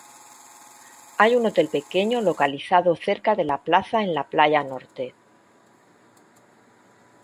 Hay un hotel pequeño localizado cerca de la Plaza en la Playa Norte.